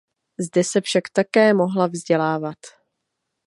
Zde se však také mohla vzdělávat.